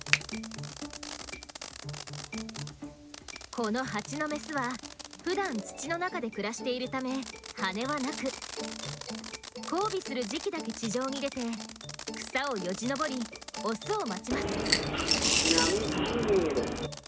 このハチのメスはふだん土の中で暮らしているため羽はなく交尾する時期だけ地上に出て草をよじ登りオスを待ちます。